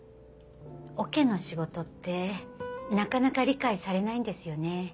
オケの仕事ってなかなか理解されないんですよね。